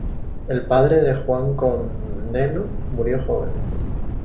El padre de Juan Comneno murió joven.